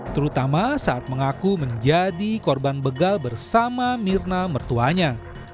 terutama saat mengaku menjadi korban begal bersama mirna mertuanya